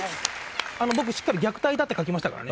僕しっかり虐待だって書きましたからね。